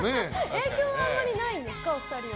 影響はあんまりないんですかお二人は。